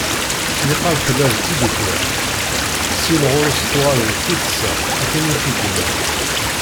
Niqal tella d tidukla, syin ɣer-s tuɣal d tuddsa akken i t-id-nniɣ.